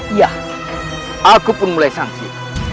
iya aku pun mulai sangsi